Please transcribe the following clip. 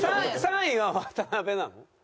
３位は渡辺なの？